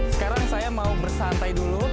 sekarang saya mau bersantai dulu